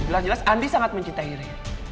jelas jelas andi sangat mencintai re